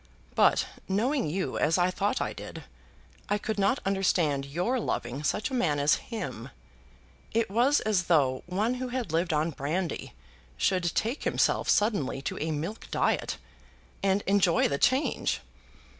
But, knowing you as I thought I did, I could not understand your loving such a man as him. It was as though one who had lived on brandy should take himself suddenly to a milk diet, and enjoy the change!